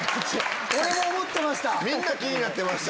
俺も思ってました。